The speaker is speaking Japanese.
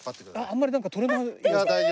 あんまりなんかとれない。